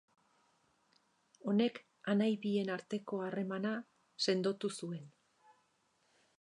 Honek anai bien arteko harremana sendotu zuen.